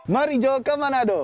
mari jauh ke manado